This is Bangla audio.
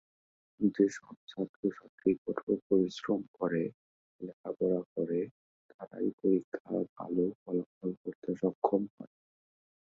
যেসব ছাত্রছাত্রী কঠোর পরিশ্রম করে লেখাপড়া করে তারাই পরীক্ষা ভালো ফলাফল করতে সক্ষম হয়।